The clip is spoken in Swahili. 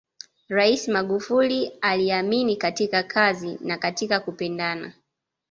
Rais Magufuli uliamini katika kazi na katika kupendana